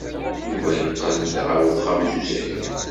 Yuba yeqqel-d ɣer uxxam s usakal.